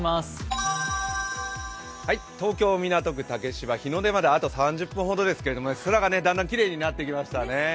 東京・港区竹芝、日の出まであと３０分ほどですけど、空がだんだんきれいになってきましたね。